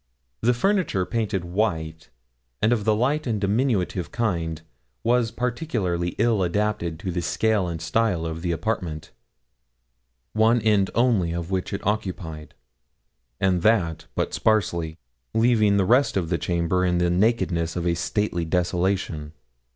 The furniture painted white, and of the light and diminutive kind, was particularly ill adapted to the scale and style of the apartment, one end only of which it occupied, and that but sparsely, leaving the rest of the chamber in the nakedness of a stately desolation.